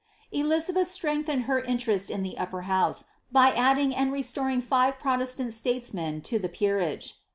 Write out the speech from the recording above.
Elizabeth strengthened her interest in the upper house, by adding and restoring five protestant statesmen to the peerage.